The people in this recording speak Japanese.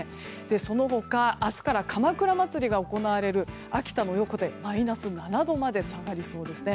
その他、明日からかまくら祭りが行われる秋田の横手はマイナス７度まで下がりそうですね。